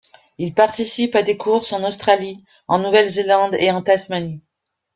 Il participe à des courses en Australie, en Nouvelle-Zélande et en Tasmanie.